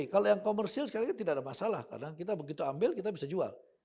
kalau yang komersial sekali tidak ada masalah karena kita begitu ambil kita bisa jual